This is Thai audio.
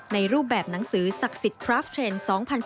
รูปแบบหนังสือศักดิ์สิทธิ์คราฟเทรนด์๒๐๑๘